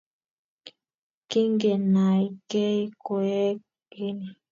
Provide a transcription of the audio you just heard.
Kigenaygei koeg keny